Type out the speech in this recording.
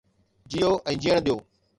جيئو ۽ جيئڻ ڏيو